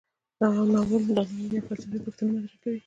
دا ناول یوه فلسفي پوښتنه مطرح کوي.